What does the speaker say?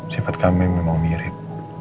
sifat kami memang mirip